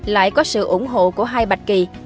lại có sự ủng hộ của hai bạch kỳ